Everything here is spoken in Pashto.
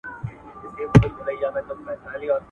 په تودو کي به ساړه نه راولو.